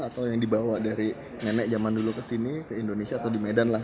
atau yang dibawa dari nenek zaman dulu ke sini ke indonesia atau di medan lah